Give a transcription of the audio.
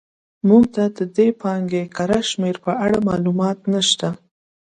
موږ ته د دې پانګې کره شمېر په اړه معلومات نه شته.